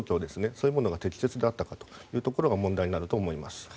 そういうものが適切だったかというところが問題になると思います。